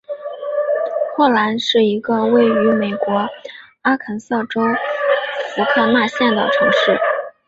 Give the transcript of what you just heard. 霍兰是一个位于美国阿肯色州福克纳县的城市。